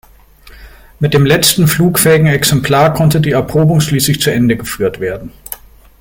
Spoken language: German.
Mit dem letzten flugfähigen Exemplar konnte die Erprobung schließlich zu Ende geführt werden.